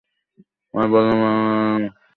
অ্যাই, বললাম না, আমাকে ঠিক করার কোনো প্রয়োজন নেই।